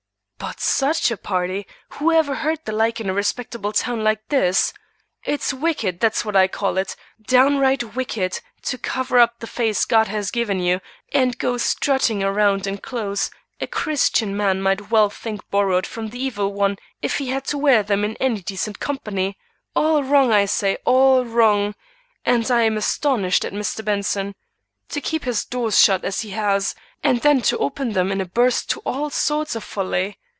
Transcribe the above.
"But such a party! who ever heard the like in a respectable town like this! It's wicked, that's what I call it, downright wicked to cover up the face God has given you and go strutting around in clothes a Christian man might well think borrowed from the Evil One if he had to wear them in any decent company. All wrong, I say, all wrong, and I am astonished at Mr. Benson. To keep his doors shut as he has, and then to open them in a burst to all sorts of folly.